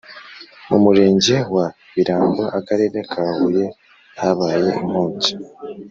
mu Murenge wa Birambo Akarere ka huye habaye inkongi